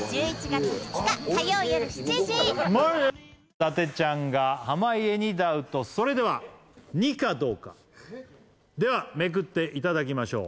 伊達ちゃんが濱家にダウトそれではではめくっていただきましょう